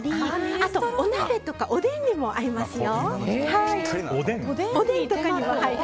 あと、お鍋とかおでんにも合いますよ。